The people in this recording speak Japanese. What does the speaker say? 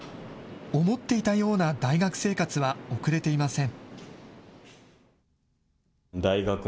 思っていたような大学生活は送れていません。